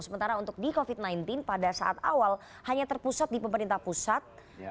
sementara untuk di covid sembilan belas pada saat awal hanya terpusat di pemerintah pusat